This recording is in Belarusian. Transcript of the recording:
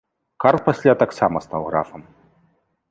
Карл пасля таксама стаў графам.